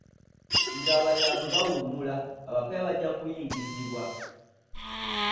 Nga abalala bwe bawummula, abapya bajja kuyingizibwa.